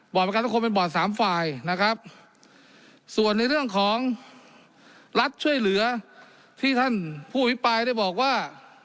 ประกันสังคมเป็นบอร์ดสามฝ่ายนะครับส่วนในเรื่องของรัฐช่วยเหลือที่ท่านผู้อภิปรายได้บอกว่า